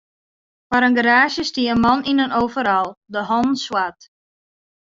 Foar in garaazje stie in man yn in overal, de hannen swart.